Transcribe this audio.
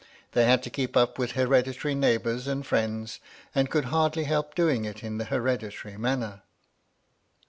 They had to keep up with hereditary neighbours and friends, and could hardly help doing it in the hereditary manner.